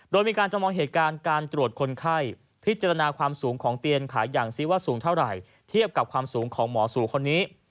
โดยมีการจำลองเหตุการณ์การตรวจคนไข้พิจารณาความสูงของเตียงขายังซิว่าสูงเท่าไหร่เทียบกับความสูงของหมอสูคนนี้